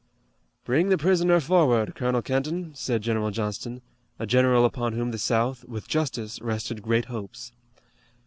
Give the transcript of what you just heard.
"Bring the prisoner forward, Colonel Kenton," said General Johnston, a general upon whom the South, with justice, rested great hopes.